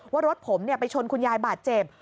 ว่ารถผมไปชนคุณยายบาดเจ็บ